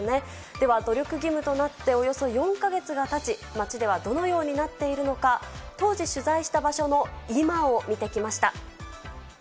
では努力義務となっておよそ４か月がたち、街ではどのようになっているのか、当時取材した場所の今を見てきました。